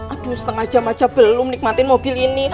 aduh setengah jam aja belum nikmatin mobil ini